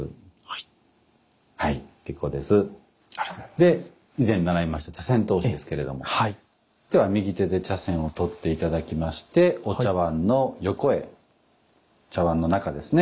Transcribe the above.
で以前習いました茶筅通しですけれども手は右手で茶筅を取って頂きましてお茶碗の横へ茶碗の中ですね